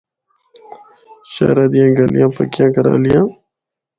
شہرا دیاں گلیاں پکیاں کرالیاں۔